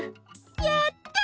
やった！